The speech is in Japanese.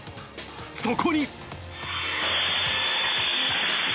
そこに。